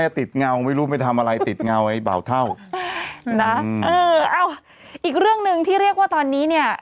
ติดเงาไม่รู้ไปทำอะไรติดเงาไอ้เบาเท่านะเออเอาอีกเรื่องหนึ่งที่เรียกว่าตอนนี้เนี่ย